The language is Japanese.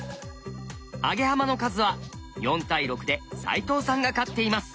アゲハマの数は４対６で齋藤さんが勝っています。